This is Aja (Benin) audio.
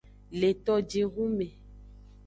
Le tojihun me.